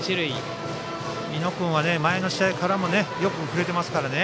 美濃君は前の試合からよく振れていますからね。